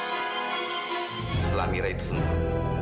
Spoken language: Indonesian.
setelah amira itu sembuh